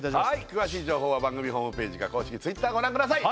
詳しい情報は番組ホームページか公式Ｔｗｉｔｔｅｒご覧ください